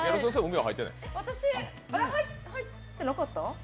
私、海入ってなかった？